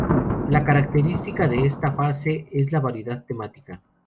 La característica de esta fase es la variedad temática.